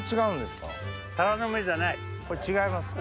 これ違いますか。